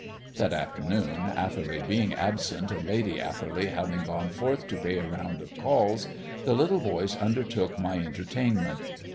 That afternoon, Atherley being still absent, and Lady Atherley having gone forth to pay a round of calls, the little boys undertook my entertainment.